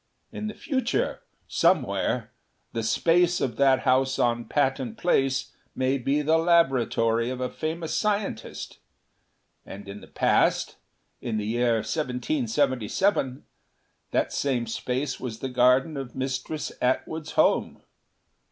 In the future somewhere the Space of that house on Patton Place may be the laboratory of a famous scientist. And in the past in the year 1777 that same Space was the garden of Mistress Atwood's home.